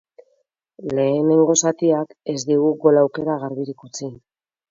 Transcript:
Lehenengo zatiak ez digu gol-aukera garbirik utzi.